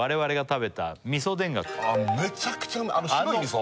めちゃくちゃうまいあの白い味噌？